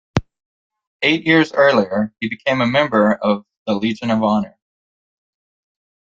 Eight years earlier, he became a member of the Legion of Honour.